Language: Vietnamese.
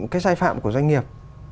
cái sai phạm của doanh nghiệp